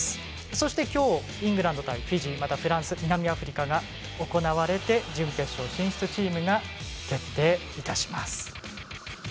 そして今日イングランド対フィジーまたフランス南アフリカが行われて準決勝進出チームが決定いたします。